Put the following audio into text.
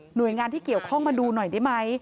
โดยงานที่เกี่ยวข้องมาดูหน่อยได้ไหม